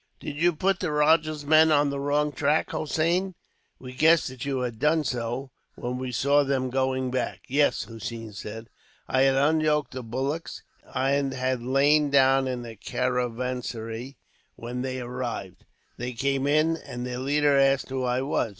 "Did you put the rajah's men on the wrong track, Hossein? We guessed that you had done so, when we saw them going back." "Yes," Hossein said. "I had unyoked the bullocks, and had lain down in the caravanserai, when they arrived. They came in, and their leader asked who I was.